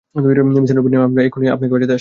Mrs Rubin, আমরা এক্ষুনি আপনাকে বাঁচাতে আসছি!